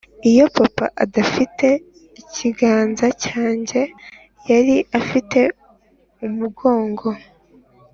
“iyo papa adafite ikiganza cyanjye, yari afite umugongo.”